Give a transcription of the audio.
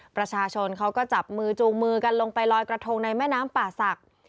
ประชาชนเขาก็จับมือจูงมือกันลงไปลอยกระทงในแม่น้ำป่าศักดิ์